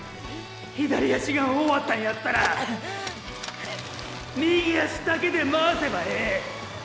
左足が終わったんやったら右足だけで回せばええ。